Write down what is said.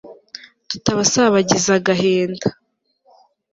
tutabasabagiza agahinda